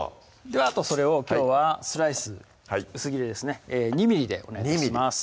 あとそれをきょうはスライス薄切りですね２ｍｍでお願いします